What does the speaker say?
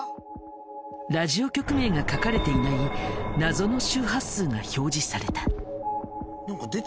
ラジオ局名が書かれていない謎の周波数が表示された。